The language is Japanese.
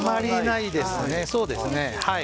そうですね。